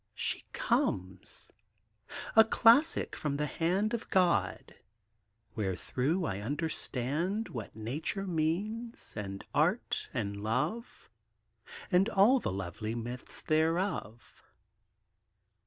She comes! a classic from the hand Of God! wherethrough I understand What Nature means and Art and Love, And all the lovely Myths thereof.